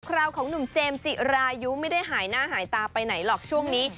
คราวของหนุ่มเจมส์จิรายุไม่ได้หายหน้าหายตาไปไหนหรอกช่วงนี้